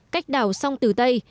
cách đảo sông tử tây